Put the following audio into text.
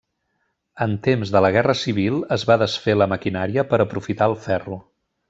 En temps de la Guerra Civil es va desfer la maquinària per aprofitar el ferro.